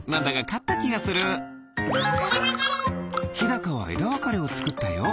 ひだかはえだわかれをつくったよ。